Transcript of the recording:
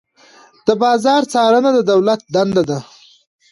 د بازار څارنه د دولت دنده ده.